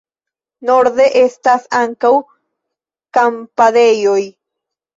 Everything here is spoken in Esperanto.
Norde estas ankaŭ kampadejoj.